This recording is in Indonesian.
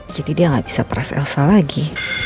jadi dia gak bisa peras elsa lagi